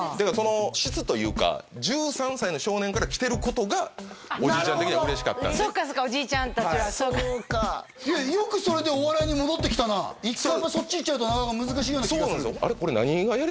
質というか１３歳の少年から来てることがおじいちゃん的には嬉しかったそうかおじいちゃん達はよくそれでお笑いに戻ってきたな１回そっち行っちゃうとなかなか難しいような気がするあれ？